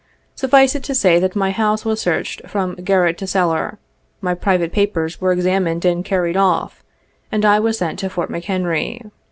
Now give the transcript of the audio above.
Suffice it to say, that my house was searched from garret to cellar, my private papers were examined and carried off, and I was sent to Fort McHenry.